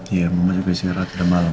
iya mama juga istirahat udah malam